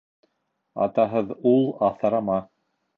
Атаһыҙ ул аҫырама